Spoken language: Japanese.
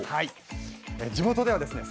地元ではですね